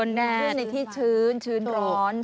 แน่ในที่ชื้นชื้นร้อน